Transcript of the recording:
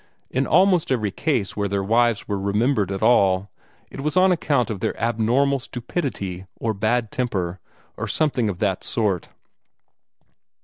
In almost every case where their wives were remembered at all, it was on account of their abnormal stupidity, or bad temper, or something of that sort.